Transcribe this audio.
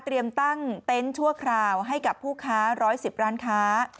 ตั้งเต็นต์ชั่วคราวให้กับผู้ค้า๑๑๐ร้านค้า